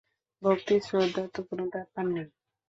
ভক্তি-শ্রদ্ধার তো কোনো ব্যাপার নেই।